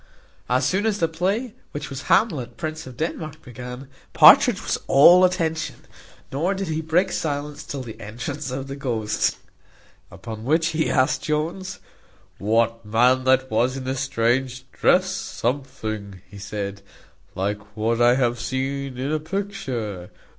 As soon as the play, which was Hamlet, Prince of Denmark, began, Partridge was all attention, nor did he break silence till the entrance of the ghost; upon which he asked Jones, "What man that was in the strange dress; something," said he, "like what I have seen in a picture.